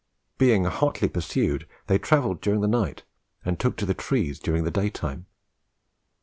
Being hotly pursued, they travelled during the night, and took to the trees during the daytime.